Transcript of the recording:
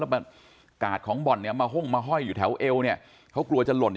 แบบกาดของบ่อนเนี่ยมาห้งมาห้อยอยู่แถวเอวเนี่ยเขากลัวจะหล่นอีก